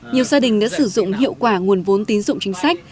nhiều gia đình đã sử dụng hiệu quả nguồn vốn tín dụng chính sách